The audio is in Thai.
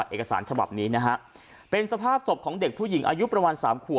เอกสารฉบับนี้นะฮะเป็นสภาพศพของเด็กผู้หญิงอายุประมาณสามขวบ